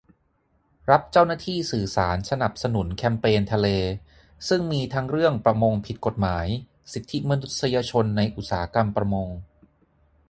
รับเจ้าหน้าที่สื่อสารสนับสนุนแคมเปญทะเล ซึ่งมีทั้งเรื่องประมงผิดกฎหมาย สิทธิมนุษยชนในอุตสาหกรรมประมง